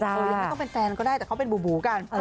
ยังไม่ต้องเป็นแฟนก็ได้แต่เขาเป็นบูบูกัน